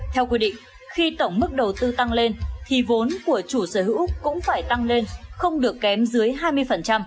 theo quy định khi tổng mức đầu tư tăng lên thì vốn của chủ sở hữu cũng phải tăng lên không được kém dưới hai mươi